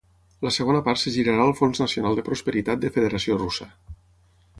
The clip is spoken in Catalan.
La segona part es girarà al Fons Nacional de Prosperitat de Federació Russa.